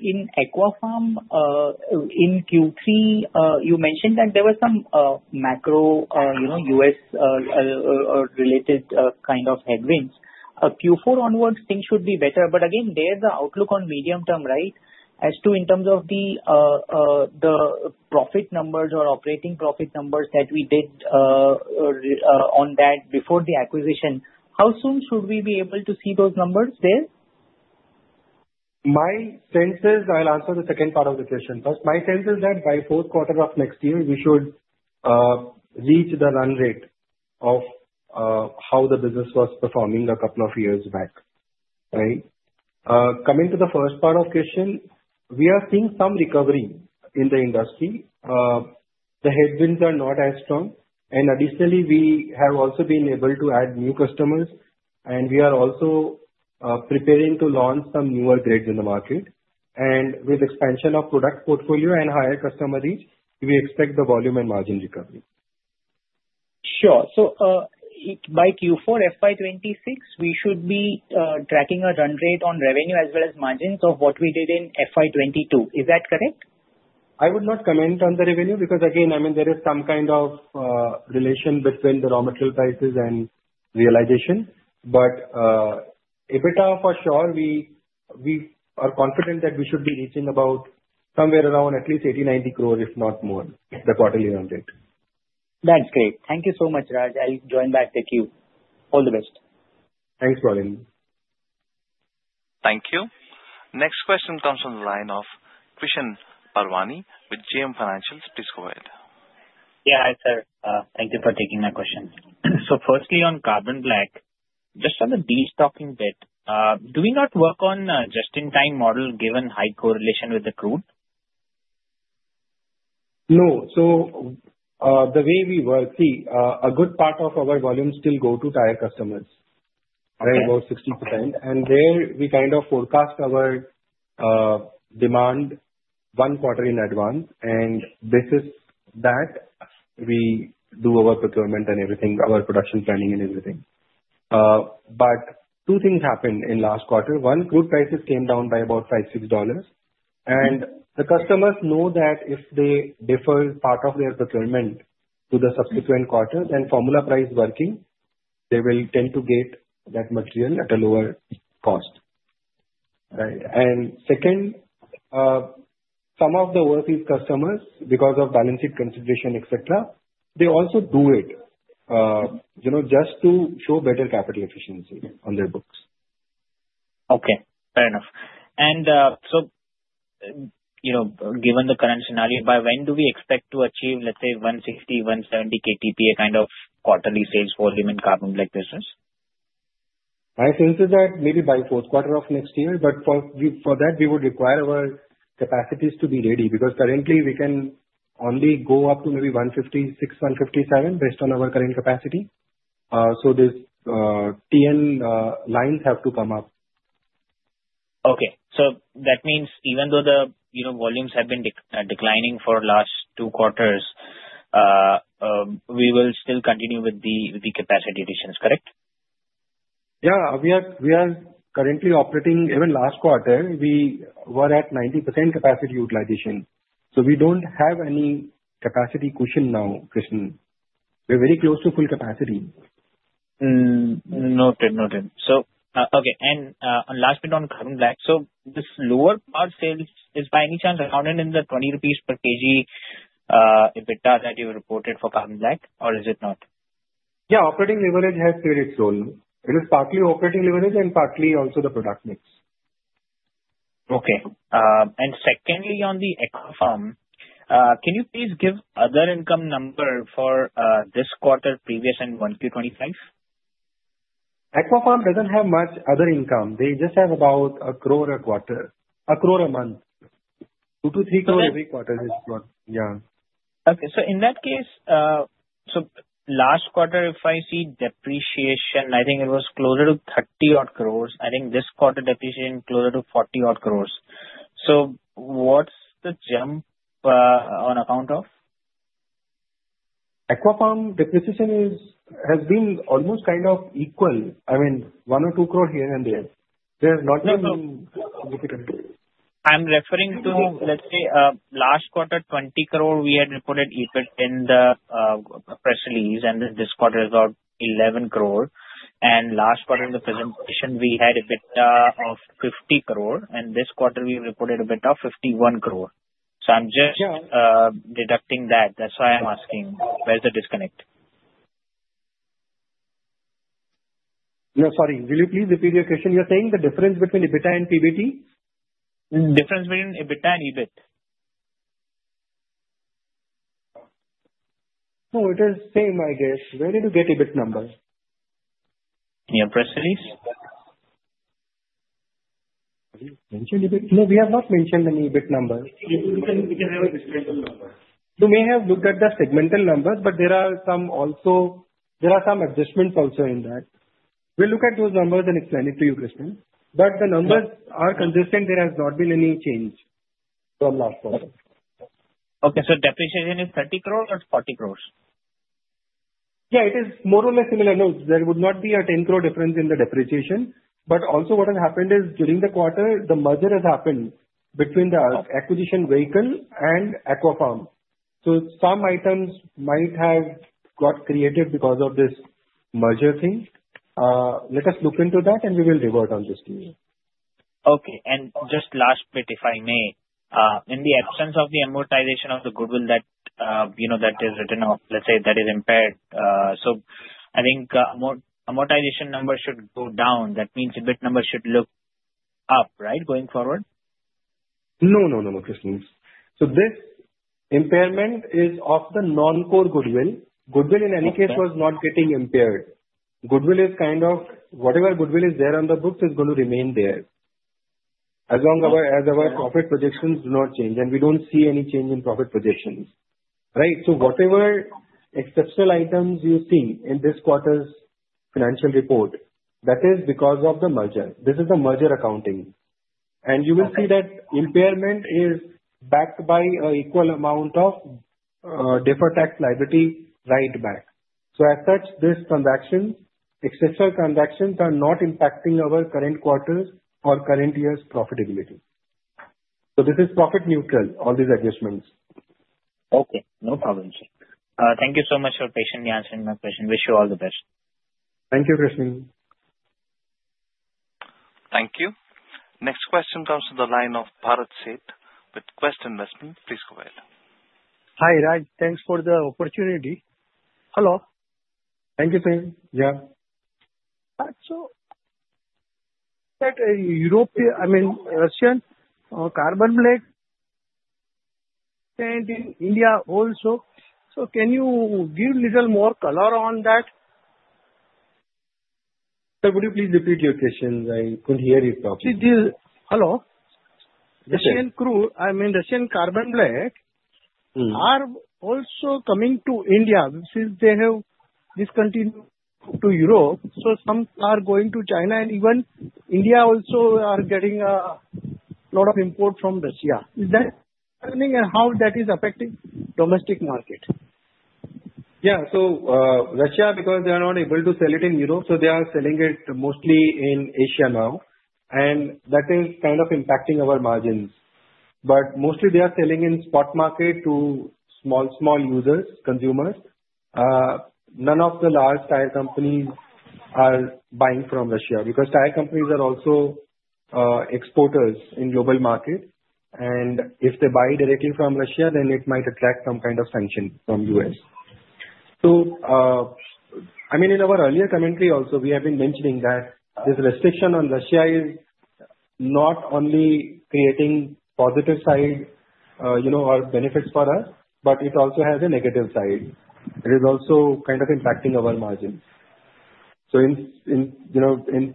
[SPEAKER 8] in Aquafarm in Q3, you mentioned that there were some macro US-related kind of headwinds. Q4 onwards, things should be better. But again, there's an outlook on medium term, right, as to in terms of the profit numbers or operating profit numbers that we did on that before the acquisition. How soon should we be able to see those numbers there?
[SPEAKER 3] My sense is I'll answer the second part of the question first. My sense is that by fourth quarter of next year, we should reach the run rate of how the business was performing a couple of years back, right? Coming to the first part of the question, we are seeing some recovery in the industry. The headwinds are not as strong. And additionally, we have also been able to add new customers, and we are also preparing to launch some newer grades in the market. And with the expansion of product portfolio and higher customer reach, we expect the volume and margin recovery.
[SPEAKER 8] Sure. So by Q4, FY26, we should be tracking a run rate on revenue as well as margins of what we did in FY22. Is that correct?
[SPEAKER 3] I would not comment on the revenue because, again, I mean, there is some kind of relation between the raw material prices and realization. But EBITDA, for sure, we are confident that we should be reaching about somewhere around at least 80-90 crore, if not more, the quarterly run rate.
[SPEAKER 8] That's great. Thank you so much, Raj. I'll join back the queue. All the best.
[SPEAKER 3] Thanks, Prolin.
[SPEAKER 1] Thank you. Next question comes from the line of Krishan Parvani with JM Financial. Please go ahead.
[SPEAKER 9] Yeah. Hi, sir. Thank you for taking my question. So firstly, on Carbon Black, just on the destocking bit, do we not work on a just-in-time model given high correlation with the crude?
[SPEAKER 3] No. So the way we work, see, a good part of our volume still goes to tire customers, right, about 60%. And there, we kind of forecast our demand one quarter in advance. And basis that, we do our procurement and everything, our production planning and everything. But two things happened in last quarter. One, crude prices came down by about $5-$6. And the customers know that if they defer part of their procurement to the subsequent quarter, then formula price working, they will tend to get that material at a lower cost, right? And second, some of the overseas customers, because of balance sheet consideration, etc., they also do it just to show better capital efficiency on their books.
[SPEAKER 9] Okay. Fair enough. And so given the current scenario, by when do we expect to achieve, let's say, 160, 170 KTPA kind of quarterly sales volume in Carbon Black business?
[SPEAKER 3] My sense is that maybe by fourth quarter of next year, but for that, we would require our capacities to be ready because currently, we can only go up to maybe 156, 157 based on our current capacity, so these TN lines have to come up.
[SPEAKER 9] Okay, so that means even though the volumes have been declining for the last two quarters, we will still continue with the capacity additions, correct?
[SPEAKER 3] Yeah. We are currently operating even last quarter, we were at 90% capacity utilization. So we don't have any capacity cushion now, Krishan. We're very close to full capacity.
[SPEAKER 9] Noted. Noted. Okay. And last bit on Carbon Black. So this lower part sales is by any chance accounted in the 20 rupees per kg EBITDA that you reported for Carbon Black, or is it not?
[SPEAKER 3] Yeah. Operating leverage has cleared it, so. It is partly operating leverage and partly also the product mix.
[SPEAKER 9] Okay. And secondly, on the Aquafarm, can you please give other income number for this quarter, previous, and 1Q25?
[SPEAKER 3] Aquafarm doesn't have much other income. They just have about a crore a quarter, a crore a month. Two to three crore every quarter is what, yeah.
[SPEAKER 9] Okay. So in that case, so last quarter, if I see depreciation, I think it was closer to 30-odd crores. I think this quarter, depreciation closer to 40-odd crores. So what's the jump on account of?
[SPEAKER 3] Aquafarm depreciation has been almost kind of equal. I mean, one or two crore here and there. There's not been any significantly.
[SPEAKER 9] I'm referring to, let's say, last quarter, 20 crore. We had reported EBIT in the press release, and this quarter is about 11 crore. And last quarter, in the presentation, we had EBITDA of 50 crore. And this quarter, we reported EBITDA of 51 crore. So I'm just deducting that. That's why I'm asking where's the disconnect?
[SPEAKER 3] Yeah. Sorry. Will you please repeat your question? You're saying the difference between EBITDA and PBT?
[SPEAKER 9] Difference between EBITDA and EBIT?
[SPEAKER 3] No, it is same, I guess. Where did you get EBIT number?
[SPEAKER 9] In your press release?
[SPEAKER 3] Have you mentioned EBIT? No, we have not mentioned any EBIT number. We can have a disclosure number. You may have looked at the segmental numbers, but there are some adjustments also in that. We'll look at those numbers and explain it to you, Krishan. But the numbers are consistent. There has not been any change from last quarter.
[SPEAKER 9] Okay. So depreciation is 30 crore or 40 crores?
[SPEAKER 3] Yeah. It is more or less similar. No, there would not be a 10 crore difference in the depreciation. But also, what has happened is during the quarter, the merger has happened between the acquisition vehicle and Aquafarm. So some items might have got created because of this merger thing. Let us look into that, and we will revert on this to you.
[SPEAKER 9] Okay and just last bit, if I may, in the absence of the amortization of the goodwill that is written off, let's say that is impaired, so I think amortization numbers should go down. That means EBIT number should look up, right, going forward?
[SPEAKER 3] No, no, no, no, Krishan. So this impairment is of the non-core goodwill. Goodwill, in any case, was not getting impaired. Goodwill is kind of whatever goodwill is there on the books is going to remain there as long as our profit projections do not change, and we don't see any change in profit projections, right? So whatever exceptional items you see in this quarter's financial report, that is because of the merger. This is the merger accounting. And you will see that impairment is backed by an equal amount of deferred tax liability write-back. So as such, these transactions, exceptional transactions, are not impacting our current quarter or current year's profitability. So this is profit neutral, all these adjustments.
[SPEAKER 9] Okay. No problem. Thank you so much for patiently answering my question. Wish you all the best.
[SPEAKER 3] Thank you, Krishan.
[SPEAKER 1] Thank you. Next question comes from the line of Parthiv Shah with Quest Investment Advisors. Please go ahead.
[SPEAKER 10] Hi, Raj. Thanks for the opportunity. Hello.
[SPEAKER 3] Thank you, Krishan. Yeah.
[SPEAKER 10] So that European, I mean, Russian Carbon Black sent in India also. So can you give a little more color on that?
[SPEAKER 3] Sir, would you please repeat your question? I couldn't hear you properly.
[SPEAKER 10] Hello. Russian crude, I mean, Russian Carbon Black are also coming to India since they have discontinued to Europe. So some are going to China, and even India also are getting a lot of import from Russia. Is that happening, and how that is affecting domestic market?
[SPEAKER 3] Yeah. So Russia, because they are not able to sell it in Europe, so they are selling it mostly in Asia now. And that is kind of impacting our margins. But mostly, they are selling in spot market to small users, consumers. None of the large tire companies are buying from Russia because tire companies are also exporters in global market. And if they buy directly from Russia, then it might attract some kind of sanction from the U.S. So I mean, in our earlier commentary also, we have been mentioning that this restriction on Russia is not only creating positive side or benefits for us, but it also has a negative side. It is also kind of impacting our margins. So in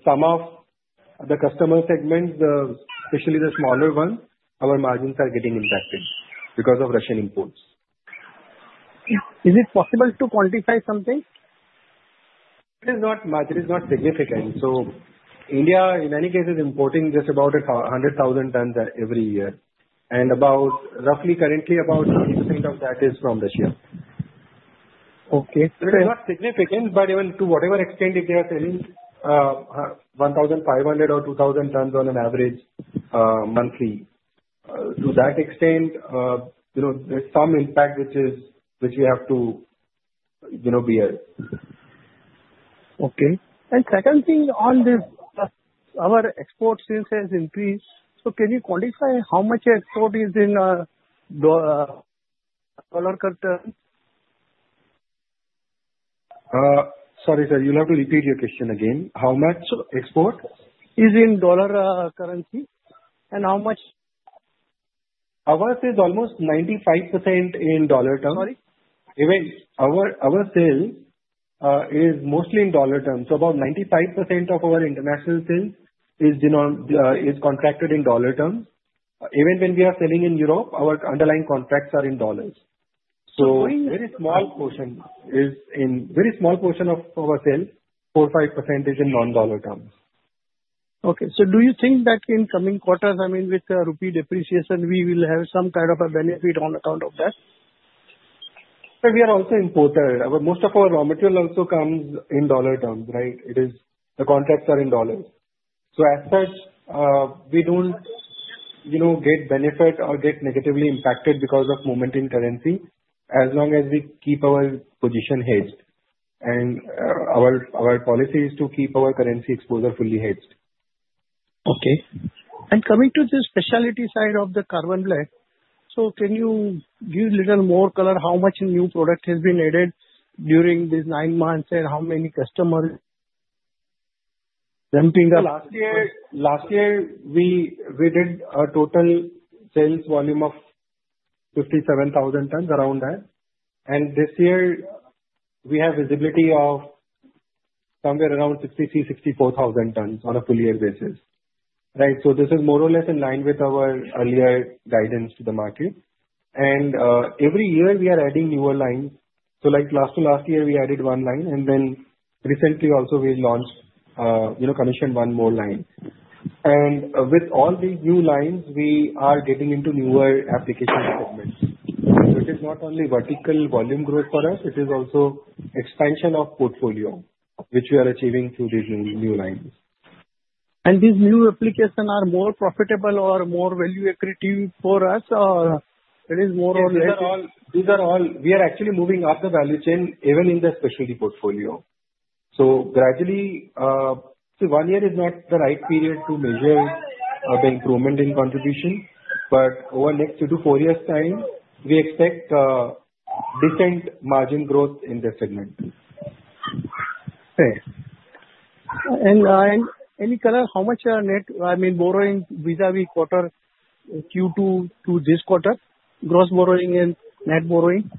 [SPEAKER 3] some of the customer segments, especially the smaller ones, our margins are getting impacted because of Russian imports.
[SPEAKER 10] Is it possible to quantify something?
[SPEAKER 3] It is not significant. So India, in any case, is importing just about 100,000 tons every year. And roughly currently, about 30% of that is from Russia.
[SPEAKER 10] Okay.
[SPEAKER 3] So it's not significant, but even to whatever extent if they are selling 1,500 or 2,000 tons on an average monthly, to that extent, there's some impact which we have to bear.
[SPEAKER 10] Okay. And second thing on this, our export sales has increased. So can you quantify how much export is in dollar currency?
[SPEAKER 3] Sorry, sir. You'll have to repeat your question again. How much export is in dollar currency? And how much? Our sales are almost 95% in dollar terms.
[SPEAKER 10] Sorry?
[SPEAKER 3] Even our sales is mostly in dollar terms. So about 95% of our international sales is contracted in dollar terms. Even when we are selling in Europe, our underlying contracts are in dollars. So a very small portion of our sales, 4%, 5% is in non-dollar terms.
[SPEAKER 10] Okay. So do you think that in coming quarters, I mean, with the rupee depreciation, we will have some kind of a benefit on account of that?
[SPEAKER 3] Sir, we are also importer. Most of our raw material also comes in dollar terms, right? The contracts are in dollars. So as such, we don't get benefit or get negatively impacted because of movement in currency as long as we keep our position hedged. And our policy is to keep our currency exposure fully hedged.
[SPEAKER 10] Okay. And coming to the specialty side of the Carbon Black, so can you give a little more color how much new product has been added during these nine months and how many customers jumping up?
[SPEAKER 3] Last year, we did a total sales volume of 57,000 tons, around that. And this year, we have visibility of somewhere around 63-64,000 tons on a full-year basis, right? So this is more or less in line with our earlier guidance to the market. And every year, we are adding newer lines. So last year, we added one line. And then recently, also, we launched, commissioned one more line. And with all these new lines, we are getting into newer application segments. So it is not only vertical volume growth for us. It is also expansion of portfolio, which we are achieving through these new lines.
[SPEAKER 10] These new applications are more profitable or more value-accretive for us, or it is more or less?
[SPEAKER 3] These are all we are actually moving up the value chain even in the specialty portfolio. So gradually, see, one year is not the right period to measure the improvement in contribution. But over the next three to four years' time, we expect decent margin growth in the segment.
[SPEAKER 10] Okay. And any color, how much are net, I mean, borrowing vis-à-vis quarter Q2 to this quarter, gross borrowing and net borrowing?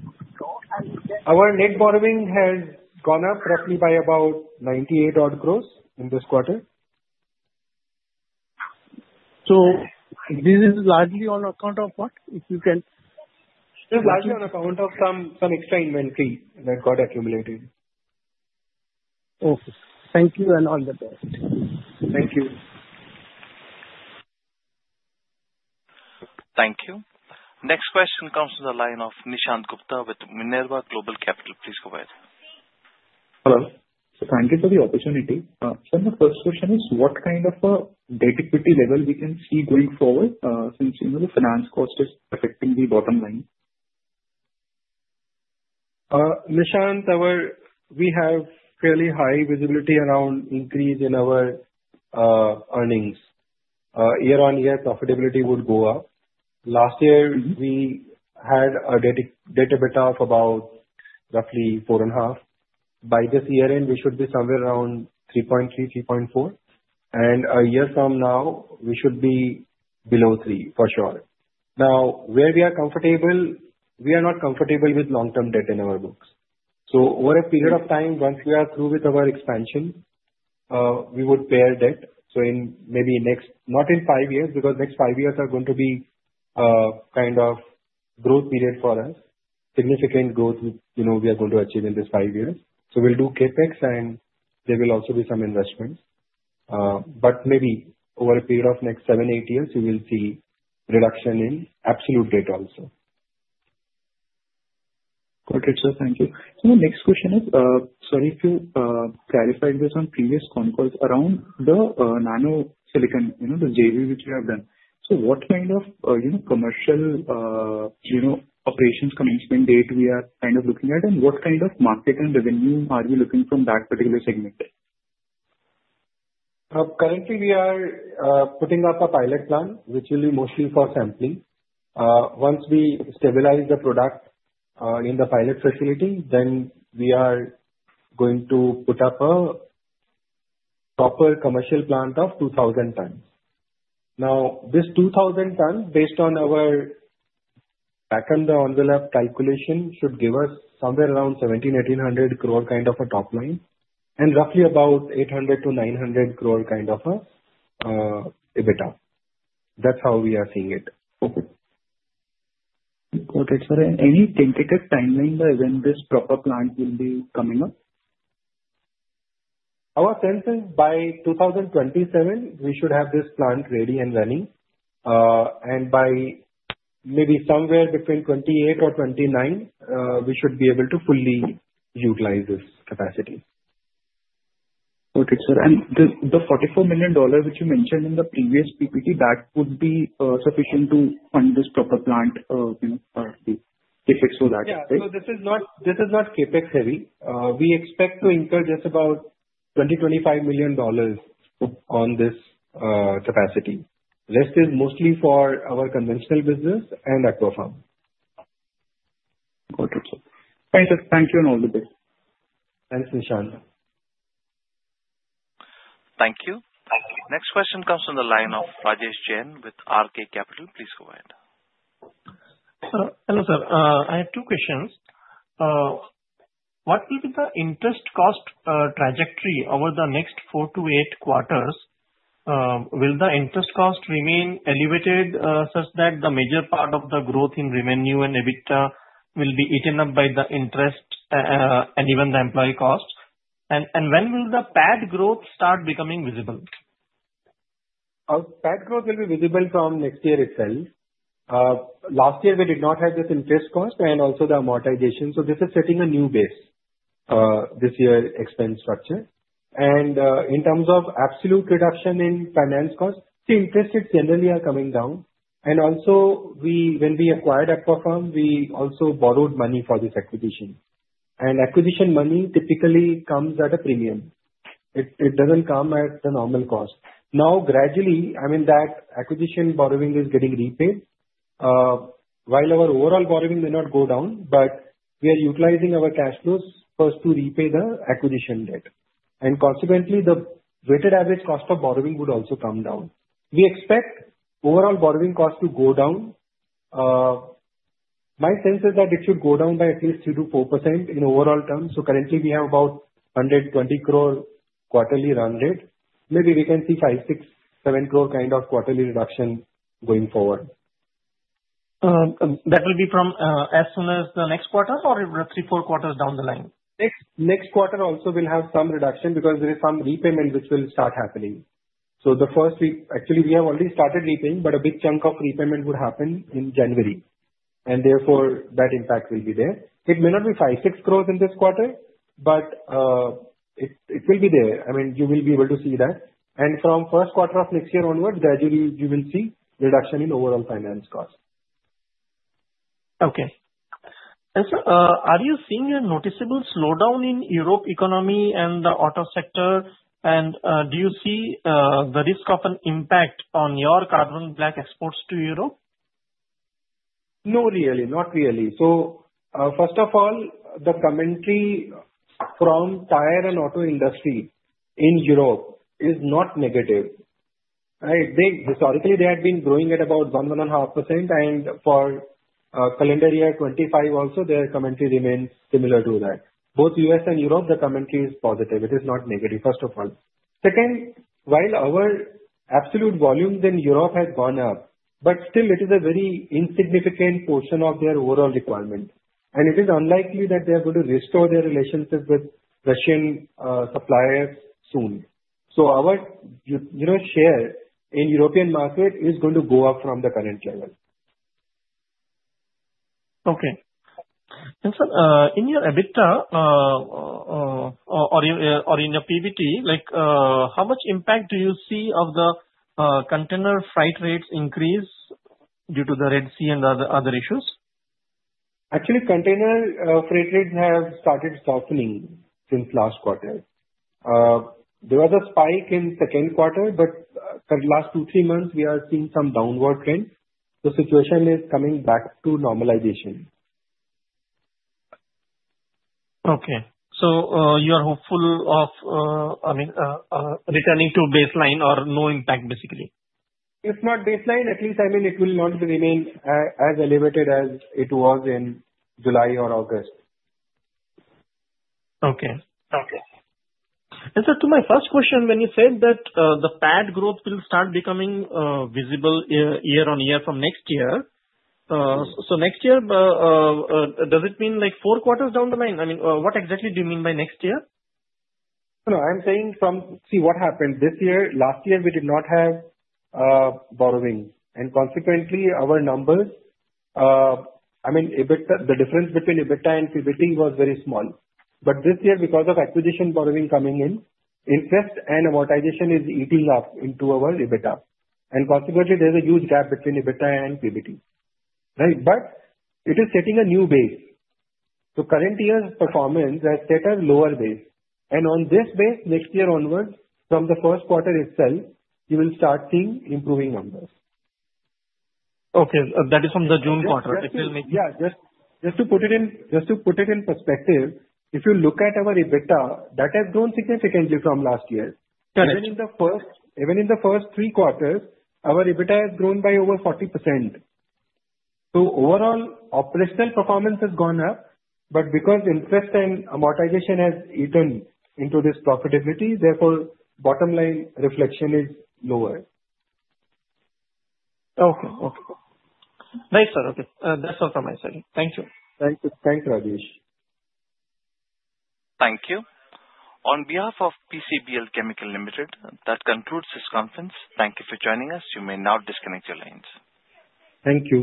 [SPEAKER 3] Our net borrowing has gone up roughly by about 98-odd crores in this quarter.
[SPEAKER 10] So this is largely on account of what? If you can.
[SPEAKER 3] This is largely on account of some extra inventory that got accumulated.
[SPEAKER 10] Okay. Thank you, and all the best.
[SPEAKER 3] Thank you.
[SPEAKER 1] Thank you. Next question comes from the line of Nishant Gupta with Minerva Global Capital. Please go ahead.
[SPEAKER 11] Hello. So thank you for the opportunity. So my first question is, what kind of a debt equity level we can see going forward since the finance cost is affecting the bottom line?
[SPEAKER 3] Nishant, we have fairly high visibility around increase in our earnings. Year on year, profitability would go up. Last year, we had a debt EBITDA of about roughly 4.5. By this year end, we should be somewhere around 3.3, 3.4 and a year from now, we should be below 3 for sure. Now, where we are comfortable, we are not comfortable with long-term debt in our books. So over a period of time, once we are through with our expansion, we would bear debt. So in maybe next not in five years because next five years are going to be kind of growth period for us, significant growth we are going to achieve in these five years. So we'll do CAPEX, and there will also be some investments. But maybe over a period of next seven, eight years, you will see reduction in absolute debt also.
[SPEAKER 11] Got it, sir. Thank you. So my next question is, sorry, if you clarified this on previous conference around the Nano-Silicon, the JV which we have done. So what kind of commercial operations commencement date we are kind of looking at, and what kind of market and revenue are we looking from that particular segment?
[SPEAKER 3] Currently, we are putting up a pilot plant, which will be mostly for sampling. Once we stabilize the product in the pilot facility, then we are going to put up a proper commercial plant of 2,000 tons. Now, this 2,000 tons, based on our back-of-the-envelope calculation, should give us somewhere around 1,700-1,800 crore kind of a top line and roughly about 800-900 crore kind of a EBITDA. That's how we are seeing it.
[SPEAKER 11] Okay. Got it, sir. And any tentative timeline by when this proper plant will be coming up?
[SPEAKER 3] Our sense is by 2027, we should have this plant ready and running. And by maybe somewhere between 28 or 29, we should be able to fully utilize this capacity.
[SPEAKER 11] Got it, sir. And the $44 million which you mentioned in the previous PPT, that would be sufficient to fund this power plant, the CAPEX for that, right?
[SPEAKER 3] Yeah. So this is not CapEx-heavy. We expect to incur just about $20-$25 million on this capacity. Rest is mostly for our conventional business and Aquafarm.
[SPEAKER 11] Got it, sir. Thank you, and all the best.
[SPEAKER 3] Thanks, Nishant.
[SPEAKER 1] Thank you. Next question comes from the line of Rajesh Jain with R K Capital. Please go ahead.
[SPEAKER 12] Hello, sir. I have two questions. What will be the interest cost trajectory over the next four to eight quarters? Will the interest cost remain elevated such that the major part of the growth in revenue and EBITDA will be eaten up by the interest and even the employee cost? And when will the PAT growth start becoming visible?
[SPEAKER 3] PAT growth will be visible from next year itself. Last year, we did not have this interest cost and also the amortization, so this is setting a new base, this year's expense structure, and in terms of absolute reduction in finance cost, the interest rates generally are coming down, and also, when we acquired Aquafarm, we also borrowed money for this acquisition, and acquisition money typically comes at a premium. It doesn't come at the normal cost. Now, gradually, I mean, that acquisition borrowing is getting repaid. While our overall borrowing may not go down, but we are utilizing our cash flows first to repay the acquisition debt, and consequently, the weighted average cost of borrowing would also come down. We expect overall borrowing cost to go down. My sense is that it should go down by at least 3%-4% in overall terms. Currently, we have about 120 crore quarterly run rate. Maybe we can see 5-7 crore kind of quarterly reduction going forward.
[SPEAKER 12] That will be as soon as the next quarter or three, four quarters down the line?
[SPEAKER 3] Next quarter also will have some reduction because there is some repayment which will start happening. So the first week actually, we have already started repaying, but a big chunk of repayment would happen in January. And therefore, that impact will be there. It may not be 5-6 crores in this quarter, but it will be there. I mean, you will be able to see that. And from first quarter of next year onward, gradually, you will see reduction in overall finance cost.
[SPEAKER 12] Okay. And sir, are you seeing a noticeable slowdown in the European economy and the auto sector? And do you see the risk of an impact on your Carbon Black exports to Europe?
[SPEAKER 3] Not really. Not really. So first of all, the commentary from tire and auto industry in Europe is not negative. Historically, they had been growing at about 1%-1.5%. And for calendar year 2025 also, their commentary remains similar to that. Both U.S. and Europe, the commentary is positive. It is not negative, first of all. Second, while our absolute volumes in Europe have gone up, but still, it is a very insignificant portion of their overall requirement. And it is unlikely that they are going to restore their relationship with Russian suppliers soon. So our share in European market is going to go up from the current level.
[SPEAKER 12] Okay. And sir, in your EBITDA or in your PBT, how much impact do you see of the container freight rates increase due to the Red Sea and other issues?
[SPEAKER 3] Actually, container freight rates have started softening since last quarter. There was a spike in second quarter, but for the last two, three months, we are seeing some downward trend. The situation is coming back to normalization.
[SPEAKER 12] Okay, so you are hopeful of, I mean, returning to baseline or no impact, basically?
[SPEAKER 3] If not baseline, at least, I mean, it will not remain as elevated as it was in July or August.
[SPEAKER 12] Okay. And sir, to my first question, when you said that the PAT growth will start becoming visible year on year from next year, so next year, does it mean four quarters down the line? I mean, what exactly do you mean by next year?
[SPEAKER 3] No, I'm saying, you see, what happened this year. Last year, we did not have borrowing, and consequently, our numbers, I mean, the difference between EBITDA and PBT was very small. But this year, because of acquisition borrowing coming in, interest and amortization is eating up into our EBITDA, and consequently, there's a huge gap between EBITDA and PBT, right? But it is setting a new base. The current year's performance has set a lower base, and on this base, next year onwards, from the first quarter itself, you will start seeing improving numbers.
[SPEAKER 12] Okay. That is from the June quarter. It will make you.
[SPEAKER 3] Yeah. Just to put it in perspective, if you look at our EBITDA, that has grown significantly from last year. Even in the first three quarters, our EBITDA has grown by over 40%. So overall, operational performance has gone up. But because interest and amortization has eaten into this profitability, therefore, bottom line reflection is lower.
[SPEAKER 12] Okay. Okay. Nice, sir. Okay. That's all from my side. Thank you.
[SPEAKER 3] Thank you. Thanks, Rajesh.
[SPEAKER 1] Thank you. On behalf of PCBL Chemical Limited, that concludes this conference. Thank you for joining us. You may now disconnect your lines.
[SPEAKER 3] Thank you.